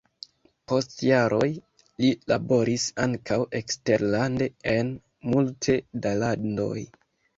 Post jaroj li laboris ankaŭ eksterlande en multe da landoj.